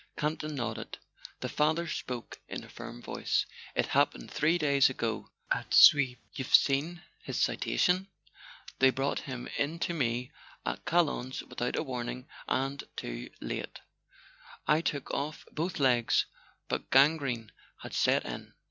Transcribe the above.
Campton nodded. The father spoke in a firm voice. "It happened three [ 120 ] A SON AT THE FRONT days ago—at Suippes. You've seen his citation? They brought him in to me at Chalons without a warning —and too late. I took off both legs, but gangrene had set in.